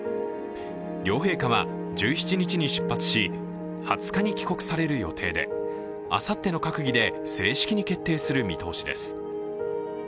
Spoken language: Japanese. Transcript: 両陛下は、１７日に出発し２０日に帰国される予定であさっての閣議で正式に決定する見通しです。